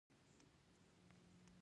یوه ډوډۍ د اشرافو لپاره وه.